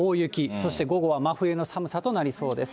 そして午後は真冬の寒さとなりそうです。